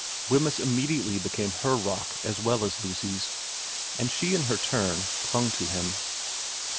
Wemyss immediately became her rock as well as Lucy's, and she in her turn clung to him.